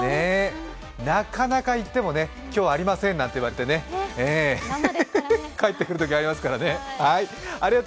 なかなか行っても今日はありませんと言われてね、帰ってくるときありますからね。